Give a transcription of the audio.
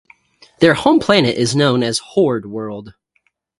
Their home planet is known as Horde World.